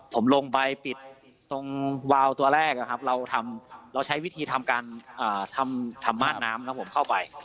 ผมลงไปปิดตรงวาวตัวแรกครับเราใช้วิธีทำมาตรน้ำเข้าไป